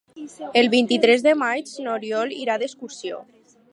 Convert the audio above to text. El vint-i-tres de maig n'Oriol irà d'excursió.